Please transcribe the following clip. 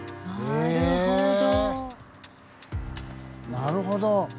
えなるほど。